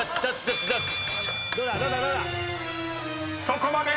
［そこまで！